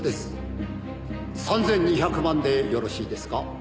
「３２００万でよろしいですか？」